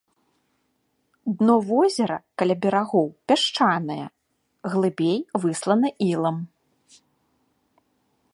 Дно возера каля берагоў пясчанае, глыбей выслана ілам.